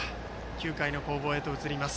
９回の攻防へと移ります。